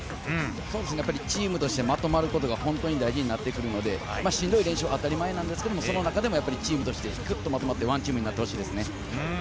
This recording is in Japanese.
チームとしてまとまることが本当に大事になってくるので、しんどい練習は当たり前なんですけれども、その中でチームとして、グッとまとまって、ＯＮＥＴＥＡＭになってほしいですね。